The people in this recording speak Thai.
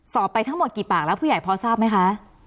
ไปทั้งหมดกี่ปากแล้วผู้ใหญ่พอทราบไหมคะ